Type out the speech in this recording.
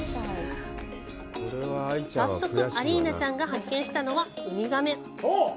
早速、アリーナちゃんが発見したのはウミガメ。